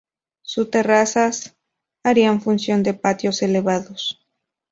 Sus terrazas harían función de patios elevados.